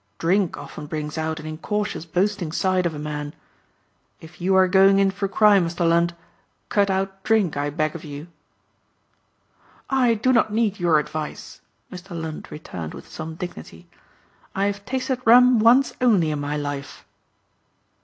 Drink often brings out an incautious boasting side of a man. If you are going in for crime, Mr. Lund, cut out drink I beg of you." "I do not need your advice," Mr. Lund returned with some dignity. "I have tasted rum once only in my life."